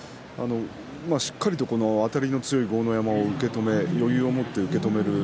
しっかりとあたりの強い豪ノ山を余裕を持って受け止める。